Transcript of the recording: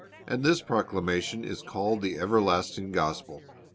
And this proclama tion is called the everlasting gospel.